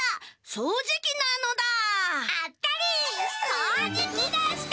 そうじきでした！